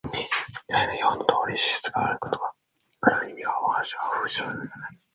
左表のとおりの支出になることが、ある意味わが社の社風である。